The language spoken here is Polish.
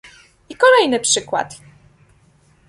I kolejny przykład!